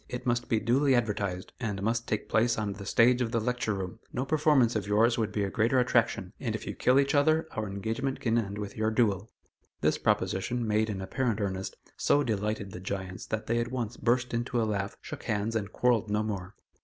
It must be duly advertised, and must take place on the stage of the Lecture Room. No performance of yours would be a greater attraction, and if you kill each other, our engagement can end with your duel." This proposition, made in apparent earnest, so delighted the giants that they at once burst into a laugh, shook hands, and quarrelled no more.